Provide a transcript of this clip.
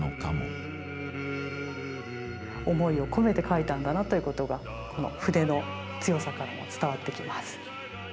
思いを込めて描いたんだなということがこの筆の強さからも伝わってきます。